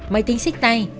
máy tính xích tay